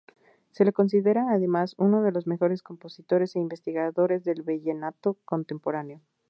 Se le considera, además, uno de los mejores compositores e investigadores del vallenato contemporáneo.